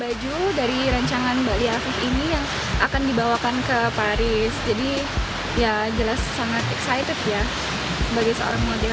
baju dari rencangan bali afif ini yang akan dibawakan ke paris jadi ya jelas sangat excited ya bagi seorang model gitu